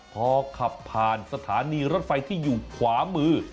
พอขับผ่านสถานีรถไฟที่อยู่ขวามือ